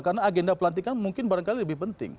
karena agenda pelantikan mungkin barangkali lebih penting